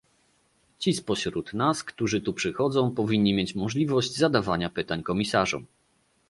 Ci spośród nas, którzy tu przychodzą powinni mieć możliwość zadawania pytań komisarzom